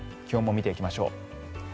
気温も見ていきましょう。